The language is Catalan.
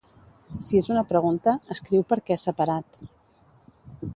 Si és una pregunta, escriu per què separat